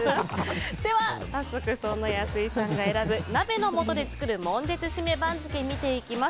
では早速安井さんが選ぶ鍋のもとで作る悶絶シメ番付見ていきます。